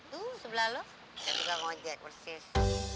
tuh sebelah lo ada tukang ojek persis